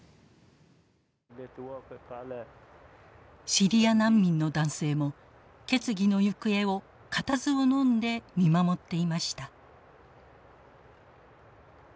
シリア難民の男性も決議の行方を固唾をのんで見守っていました。